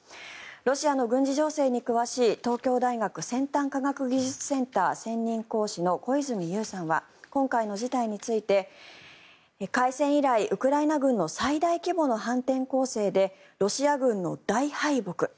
ロシアの軍事情勢に詳しい東京大学先端科学技術センター専任講師の小泉悠さんは今回の事態について開戦以来、ウクライナ軍の最大規模の反転攻勢でロシア軍の大敗北。